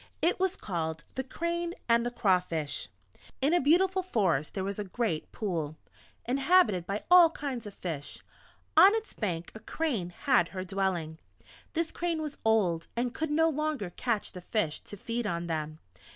It was called: The Crane and the Crawfish In a beautiful forest there was a great Pool, inhabited by all kinds of fish; on its banks a Crane had her dwelling. This Crane was old, and could no longer catch the Fish to feed on them.